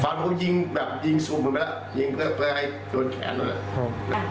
ฝันก็ยิงแบบยิงสุ่มไปแล้วยิงเพื่อให้โดนแขนแล้ว